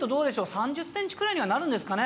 ３０ｃｍくらいになるんですかね。